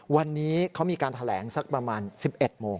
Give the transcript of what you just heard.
วันนี้เขามีการแถลงสักประมาณ๑๑โมง